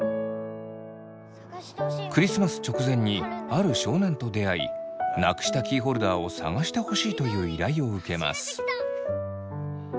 クリスマス直前にある少年と出会いなくしたキーホルダーを探してほしいという依頼を受けます。